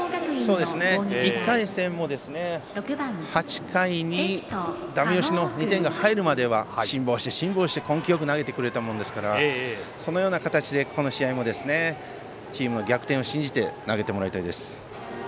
１回戦も８回にダメ押しの２点が入るまでは辛抱して根気よく投げてくれたものですからそのような形でこの試合もチームの逆転を信じて投げてもらいたいです。